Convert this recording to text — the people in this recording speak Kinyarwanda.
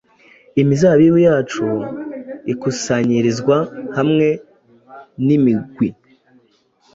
imizabibu yacu ikusanyirizwa hamwe n'imigwi.